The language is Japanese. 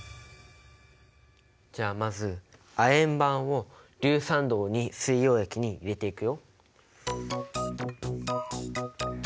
じゃあまず亜鉛板を硫酸銅水溶液に入れていくよ。